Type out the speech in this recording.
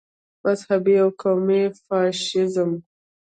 مذهبي او قومي فاشیزم.